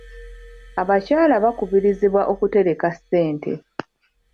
Abakyala bakubirizibwa okutereka ssente.